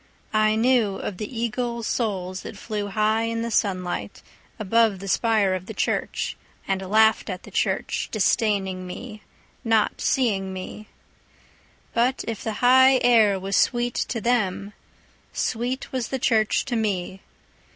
I knew of the eagle souls that flew high in the sunlight, Above the spire of the church, and laughed at the church, Disdaining me, not seeing me. But if the high air was sweet to them, sweet was the church to me.